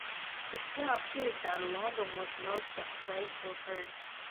It soon appeared that London was not the place for her.